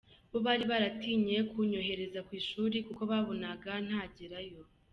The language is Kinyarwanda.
Bo bari baratinye kunyohereza ku ishuri kuko babonaga ntagerayo.